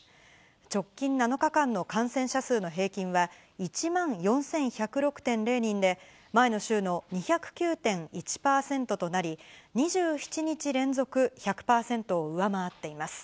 直近７日間の感染者数の平均は１万４１０６．０人で、前の週の２０９．１％となり、２７日連続、１００％を上回っています。